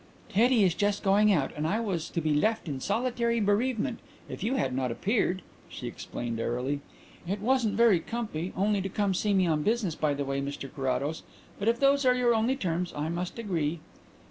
"Teddy is just going out and I was to be left in solitary bereavement if you had not appeared," she explained airily. "It wasn't very compy only to come to see me on business by the way, Mr Carrados, but if those are your only terms I must agree."